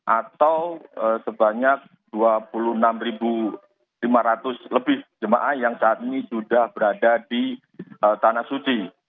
atau sebanyak dua puluh enam lima ratus lebih jemaah yang saat ini sudah berada di tanah suci